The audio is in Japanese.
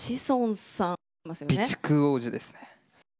備蓄王子ですね。